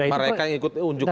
mereka yang ikut unjuk rasa